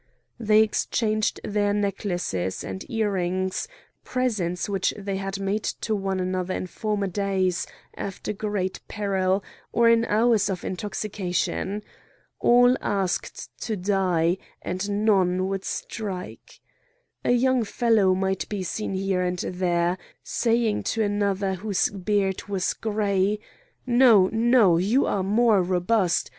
They exchanged their necklaces and earrings, presents which they had made to one another in former days, after great peril, or in hours of intoxication. All asked to die, and none would strike. A young fellow might be seen here and there, saying to another whose beard was grey: "No! no! you are more robust!